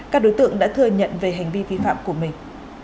các đối tượng đã thừa nhận về hành vi vi phạm của mình